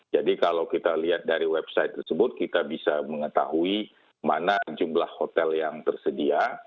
jadi kalau kita lihat dari website tersebut kita bisa mengetahui mana jumlah hotel yang tersedia